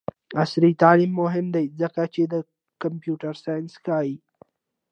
عصري تعلیم مهم دی ځکه چې د کمپیوټر ساینس ښيي.